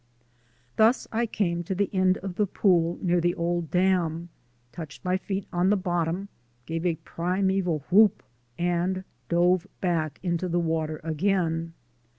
Thus I came to the end of the pool near the old dam, touched my feet on the bottom, gave a primeval whoop, and dove back into the water again.